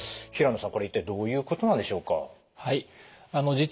平野さんこれ一体どういうことなんでしょうか？